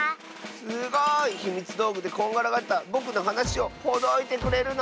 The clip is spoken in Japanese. すごい！ひみつどうぐでこんがらがったぼくのはなしをほどいてくれるの？